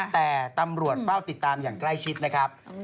แต่ตำรวจเฝ้าติดตามอย่างใกล้ชิดนะครับ